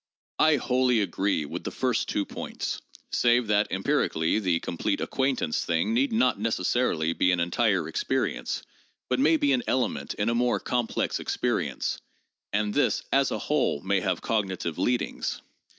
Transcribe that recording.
1 agree wholly with the first two points (save that empirically the 'complete acquaintance' thing need not necessarily be an entire experience, but may be an element in a more complex experience, and this, as a whole, may have cognitive leadings).